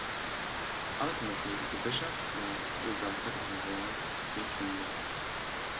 Ultimately the Bishops' Wars resulted in the Wars of the Three Kingdoms.